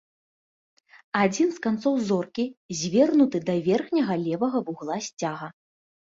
Адзін з канцоў зоркі звернуты да верхняга левага вугла сцяга.